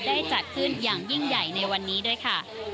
ได้จัดขึ้นอย่างยิ่งใหญ่ในวันนี้ด้วยค่ะ